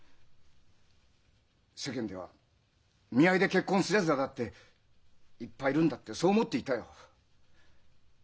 世間では見合いで結婚するやつらだっていっぱいいるんだってそう思っていたよ。